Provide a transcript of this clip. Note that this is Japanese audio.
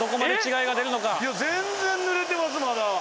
いや全然ぬれてますまだ。